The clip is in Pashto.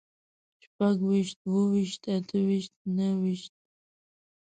شپږويشت، اووهويشت، اتهويشت، نههويشت